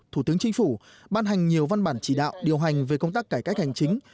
thủ tướng chính phủ ban hành nhiều văn bản chỉ đạo điều hành về công tác cải cách hành chính